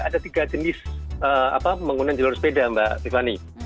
ada tiga jenis pembangunan jalur sepeda mbak tiffany